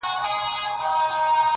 • څه د اوس او څه زړې دي پخوانۍ دي -